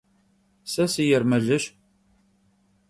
Se sıêrmelış.